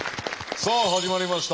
さあ始まりました。